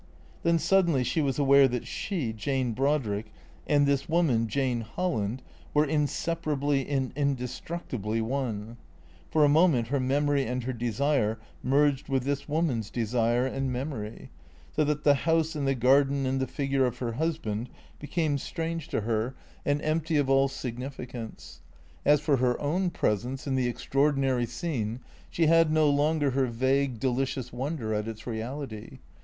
Then suddenly she was aware that she, Jane Brodrick, and this woman, Jane Holland, were inseparably and indestructibly one. For a moment her memory and her desire merged with this woman's desire and memory, so that the house and the gar den and the figure of her husband became strange to her and 285 386 THECEEATORS empty of all significance. As for her own presence in the ex traordinary scene, she had no longer her vague, delicious wonder at its reality.